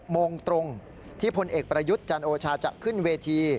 โมงตรงที่พลเอกประยุทธ์จันโอชาจะขึ้นเวที